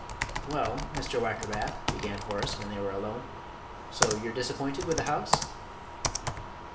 "Well, Mr. Wackerbath," began Horace, when they were alone, "so you're disappointed with the house?"